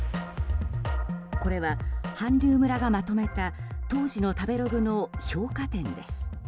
これは韓流村がまとめた当時の食べログの評価点です。